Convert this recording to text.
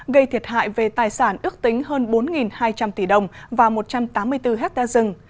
gây thiệt hại về tài sản ước tính hơn bốn hai trăm linh tỷ đồng và một trăm tám mươi bốn hectare rừng